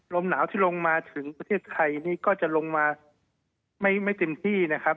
ลมหนาวที่ลงมาถึงประเทศไทยนี่ก็จะลงมาไม่เต็มที่นะครับ